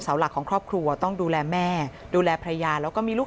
หลักของครอบครัวต้องดูแลแม่ดูแลภรรยาแล้วก็มีลูก